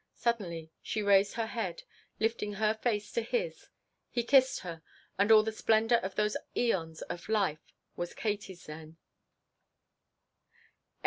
Suddenly she raised her head lifting her face to his. He kissed her; and all the splendor of those eons of life was Katie's then.